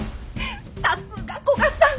さすが古賀さん！